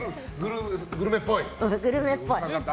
グルメっぽいと。